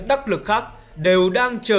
đắc lực khác đều đang chờ